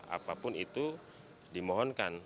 apapun itu dimohonkan